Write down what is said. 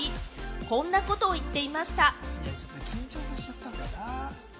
こんなことを言っていました。